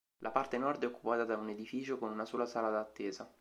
La parte nord è occupata da un edificio con una sala di attesa.